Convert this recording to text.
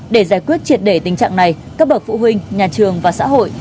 để giải quyết triệt để tình trạng này các bậc phụ huynh nhà trường và xã hội